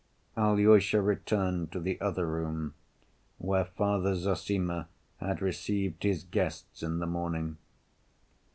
Alyosha returned to the other room, where Father Zossima had received his guests in the morning.